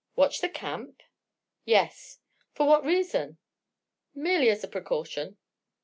"Watch the camp?" "Yes." "For what reason?" "Merely as a precaution."